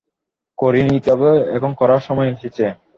করিনি, তবে এখন করার সময় এসেছে।